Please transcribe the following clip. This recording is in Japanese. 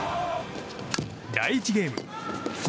第１ゲーム。